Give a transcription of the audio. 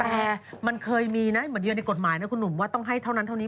แต่มันเคยมีนะเหมือนเยือนในกฎหมายนะคุณหนุ่มว่าต้องให้เท่านั้นเท่านี้